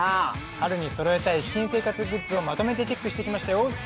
春にそろえたい生活雑貨をまとめてチェックしてきました。